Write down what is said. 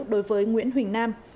đối với nguyễn huỳnh nam